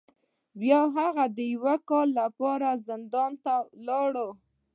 بیا هغه د یو کال لپاره زندان ته لاړ.